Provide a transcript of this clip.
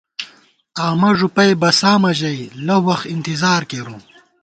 آمہ ݫُپَئ بَسامہ ژَئی ، لَؤ وَخ اِنتِظار کېرُوم